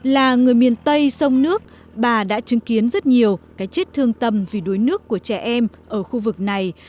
là người miền tây sông nước bà đã chứng kiến rất nhiều cái chết thương tâm vì đuối nước của trẻ em ở khu vực này